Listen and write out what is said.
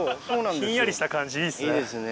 ひんやりした感じいいですね。